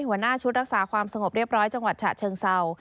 หัวหน้าชุดรักษาความสงบเรียบร้อยจังหวัดฉะเชิงเศร้า